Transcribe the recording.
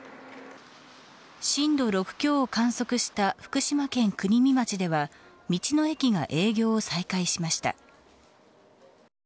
震度６強を観測した福島県国見町では道の駅が営業を再開しました。